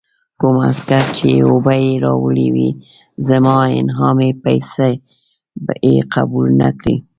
کوم عسکر چې اوبه یې راوړې وې، زما انعامي پیسې یې قبول نه کړې.